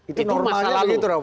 itu normalnya begitu romo